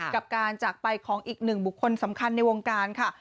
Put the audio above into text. กับการจากไปของอีกหนึ่งบุคคลสำคัญในวงการค่ะ